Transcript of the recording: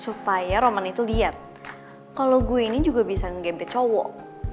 supaya roman itu lihat kalau gue ini juga bisa gamb cowok